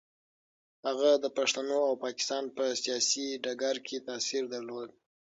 هغه د پښتنو او پاکستان په سیاسي ډګر کې تاثیر درلود.